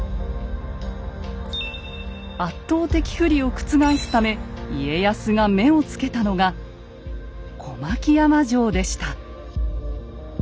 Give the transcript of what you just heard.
圧倒的不利を覆すため家康が目を付けたのが小牧山城でした。